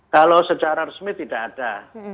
kalau secara resmi tidak ada